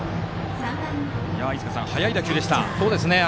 飯塚さん、速い打球でした。